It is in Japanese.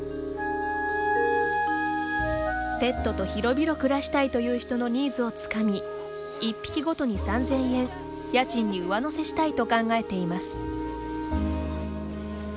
ペットと広々暮らしたいという人のニーズをつかみ１匹ごとに３０００円、家賃に上乗せしたいと考えています。